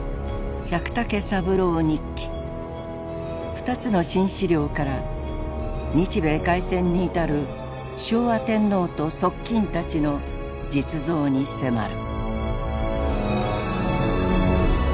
２つの新資料から日米開戦に至る昭和天皇と側近たちの実像に迫る。